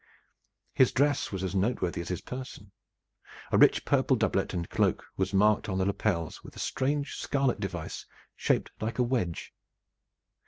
His dress was as noteworthy as his person. A rich purple doublet and cloak was marked on the lapels with a strange scarlet device shaped like a wedge.